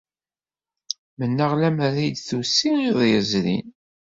Mennaɣ lemmer d ay d-tusi iḍ yezrin.